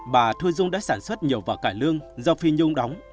bà thua dung đã sản xuất nhiều vỏ cải lương do phi nhung đóng